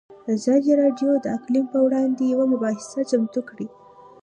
ازادي راډیو د اقلیم پر وړاندې یوه مباحثه چمتو کړې.